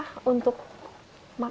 nah belerna saya